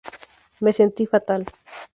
Me sentí fatal.